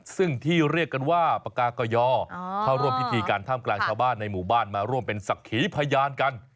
ซึ่งที่เรียกกันว่าปากากยเข้าร่วมพิธีการท่ามกลางชาวบ้านในหมู่บ้านมาร่วมเป็นศักดิ์ขีพยานกัน